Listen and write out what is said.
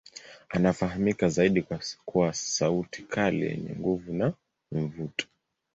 Anafahamika zaidi kwa kuwa sauti kali yenye nguvu na mvuto.